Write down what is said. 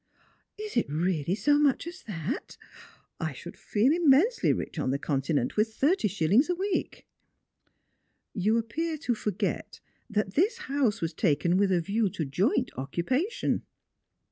" Is it really so much as that P I should feel immensely ricli on the Continent with thirty shilUngs a week." " You appear to forget that this house was taken with a view to joint occupation."